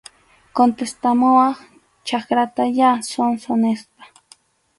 Contestamuwaq chakratayá, zonzo, nispa.